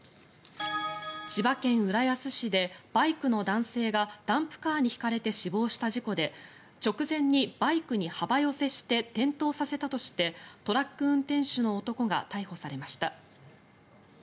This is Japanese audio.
千葉県浦安市でバイクの男性がダンプカーにひかれて死亡した事故で直前にバイクに幅寄せして転倒させたとしてトラック運転手の男が逮捕されました。